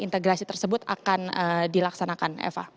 integrasi tersebut akan dilaksanakan eva